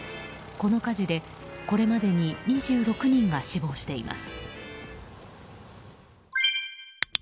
この火事でこれまでに２６人が死亡しています。